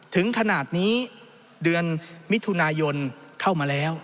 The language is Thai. ถึงขนาดนี้เดือนมิถุนายนเข้ามาแล้ว